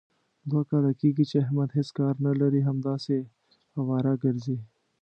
دوه کاله کېږي، چې احمد هېڅ کار نه لري. همداسې اواره ګرځي.